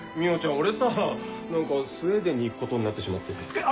俺さ何かスウェーデンに行くことになってしまって。